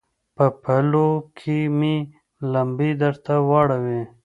په پلو کې مې لمبې درته راوړي